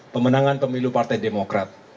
pemenangan pemilu partai demokrat